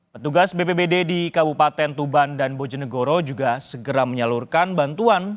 petugas bpbd di kabupaten tuban dan bojonegoro juga segera menyalurkan bantuan